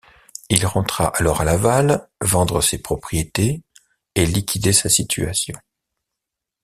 Il rentra alors à Laval, vendre ses propriétés et liquider sa situation.